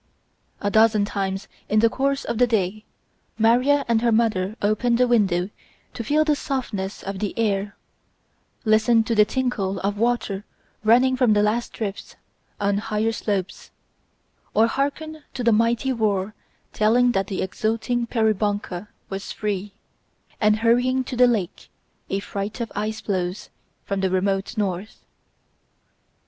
A dozen times in the course of the day Maria and her mother opened the window to feel the softness of the air, listen to the tinkle of water running from the last drifts on higher slopes, or hearken to the mighty roar telling that the exulting Peribonka was free, and hurrying to the lake a freight of ice floes from the remote north.